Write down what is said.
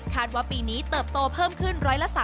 ว่าปีนี้เติบโตเพิ่มขึ้น๑๓